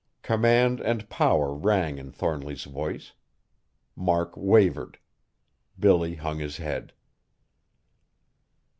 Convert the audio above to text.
Command and power rang in Thornly's voice. Mark wavered. Billy hung his head.